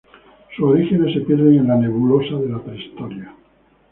Sus orígenes se pierden en la nebulosa de la prehistoria.